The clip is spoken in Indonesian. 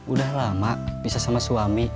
udah lama bisa sama suami